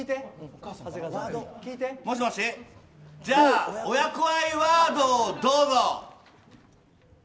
じゃあ、親子愛ワードをどうぞ。